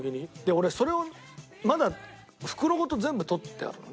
俺それをまだ袋ごと全部取ってあるのね。